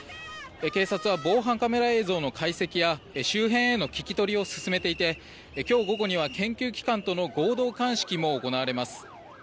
警察は防犯カメラ映像の解析や周辺への聞き取りを進めていて今日午後には研究機関との合同鑑識も行われます。